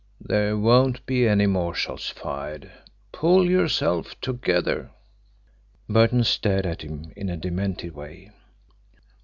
"There won't be any more shots fired pull yourself together!" Burton stared at him in a demented way.